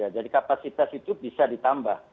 jadi kapasitas itu bisa ditambah